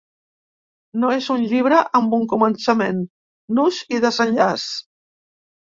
No és un llibre amb un començament, nus i desenllaç.